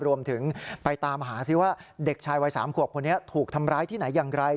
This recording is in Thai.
รวมถึงไปตามหาซิว่าเด็กชายวัย๓ขวบคนนี้ถูกทำร้ายที่ไหนอย่างไร